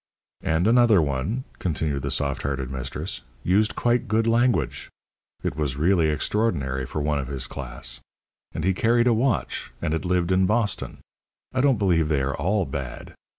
"And another one," continued the soft hearted mistress, "used quite good language. It was really extraordinary for one of his class. And he carried a watch. And had lived in Boston. I don't believe they are all bad.